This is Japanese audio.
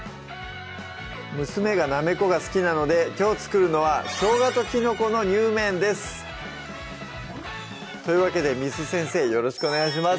娘がなめこが好きなのできょう作るのは「生姜とキノコのにゅうめん」ですというわけで簾先生よろしくお願いします